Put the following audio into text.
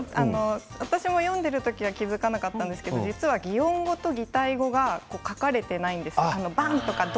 私も読んでいる時は気付かなかったんですけれども実は擬音語と擬態語が描かれていないんです。